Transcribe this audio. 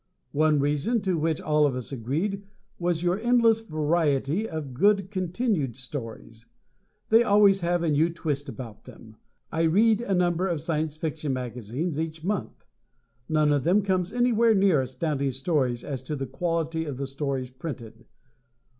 One reason to which all of us agreed was your endless variety of good continued stories. They always have a new twist about them. I read a number of Science Fiction magazines each month. None of them comes anywhere near Astounding Stories as to the quality of the stories printed.